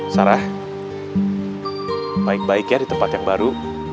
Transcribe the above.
sarah baik baik ya di tempat yang baru